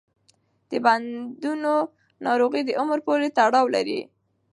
د بندونو ناروغي د عمر پورې تړاو لري.